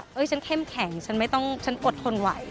ฉันเข้มแข็งฉันไม่ต้องฉันอดทนไหว